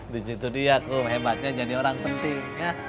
disitu dia aku hebatnya jadi orang penting